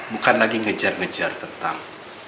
bukan lagi ngejar ngejar tentang